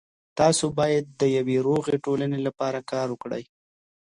تاسو باید د یوې روغې ټولنې لپاره کار وکړئ.